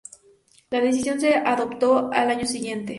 La decisión se adoptó al año siguiente.